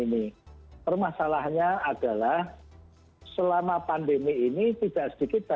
nah yang penggunaannya untuk apa ya